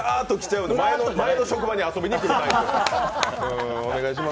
前の職場に遊びにくるタイプですから。